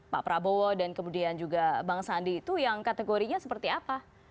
pak prabowo dan kemudian juga bang sandi itu yang kategorinya seperti apa